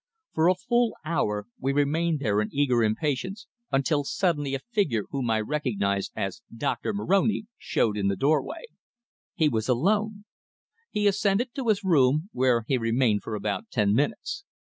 For a full hour we remained there in eager impatience, until suddenly a figure whom I recognized as Doctor Moroni showed in the doorway. He was alone! He ascended to his room, where he remained for about ten minutes.